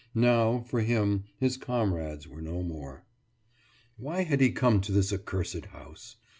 now, for him, his comrades were no more. Why had he come to this accursed house!